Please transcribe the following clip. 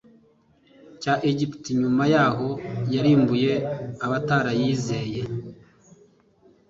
cya egiputa nyuma yaho yarimbuye abatarizeye